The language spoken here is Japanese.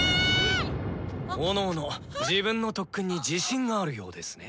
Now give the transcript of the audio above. ⁉おのおの自分の特訓に自信があるようですね。